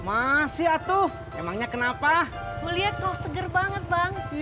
iiih jadi saya dianggap puasa bukan gitu bang aku bilang kau seger bukan puasa nih coba dicek dulu